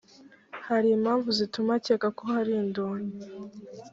harimo impamvu zituma akeka ko harimo indonyi